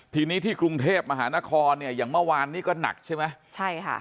ทีนี้ที่กรุงเทพมหานครเนี่ยอย่างเมื่อวานนี้ก็หนักใช่ไหมใช่ค่ะ